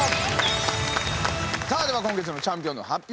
さあでは今月のチャンピオンの発表